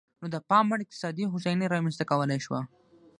نو د پاموړ اقتصادي هوساینه یې رامنځته کولای شوه.